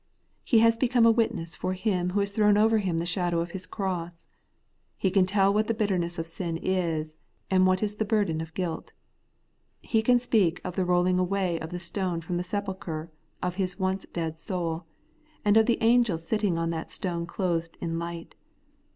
He has become a witness for Him who has thrown over him the shadow of His cross. He can teU what the bitterness of sin is, and what is the burden of guilt. He can speak of the rolling away of the stone from the sepulchre of his once dead soul, and of the angel sitting on that stone clothed in light.